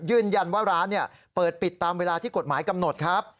ยืนยันว่าร้านเปิดปิดตามเวลาที่กฎหมายกำหนดครับ